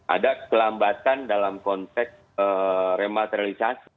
ada kelambatan dalam konteks remateralisasi